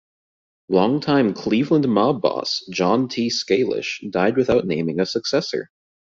Longtime Cleveland mob boss John T. Scalish died without naming a successor.